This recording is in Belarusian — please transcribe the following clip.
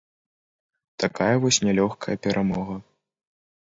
Такая вось нялёгкая перамога.